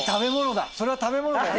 それは食べ物だよ！